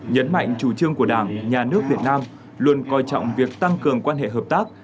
nhấn mạnh chủ trương của đảng nhà nước việt nam luôn coi trọng việc tăng cường quan hệ hợp tác